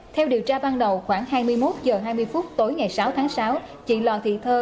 theo điều tra ban đầu khoảng hai mươi một h hai mươi phút tối ngày sáu tháng sáu chị lò thị thơ